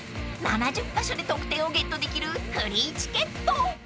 ［７０カ所で特典をゲットできるフリーチケット］